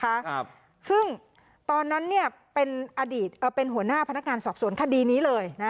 ครับซึ่งตอนนั้นเนี้ยเป็นอดีตเอ่อเป็นหัวหน้าพนักงานสอบสวนคดีนี้เลยนะ